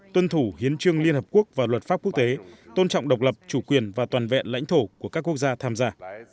tuân thủ hiến trương liên hợp quốc và luật pháp quốc tế tôn trọng độc lập chủ quyền và toàn vẹn lãnh thổ của các quốc gia tham gia